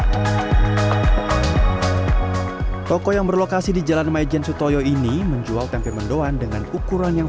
hai toko yang berlokasi di jalan majen sutoyo ini menjual tempe mendoan dengan ukuran yang